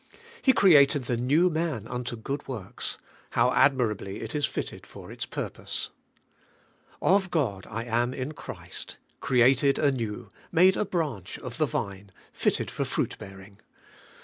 He created the new man unto good works: how admirably it is fitted for its purpose. o6 ABIDE IN CHRIST: Of God I am in Christ: created anew, made a branch of the Vine, fitted for fruit bearing.